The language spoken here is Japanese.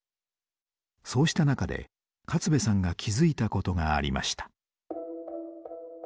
そうした中で勝部さんが気付いたことがありました。